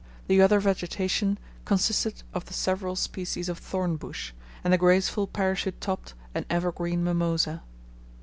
The other vegetation consisted of the several species of thorn bush, and the graceful parachute topped and ever green mimosa.